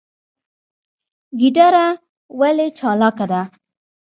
ګیدړه ولې چالاکه ده؟